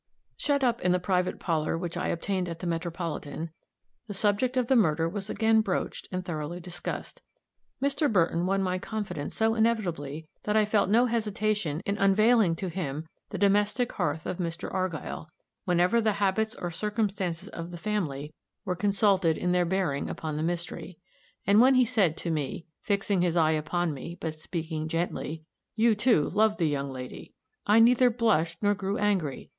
Shut up in the private parlor which I obtained at the Metropolitan, the subject of the murder was again broached and thoroughly discussed. Mr. Burton won my confidence so inevitably that I felt no hesitation in unvailing to him the domestic hearth of Mr. Argyll, whenever the habits or circumstances of the family were consulted in their bearing upon the mystery. And when he said to me, fixing his eye upon me, but speaking gently, "You, too, loved the young lady," I neither blushed nor grew angry.